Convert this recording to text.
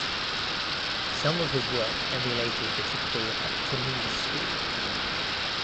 Some of his work emulated the typical Heptanese School.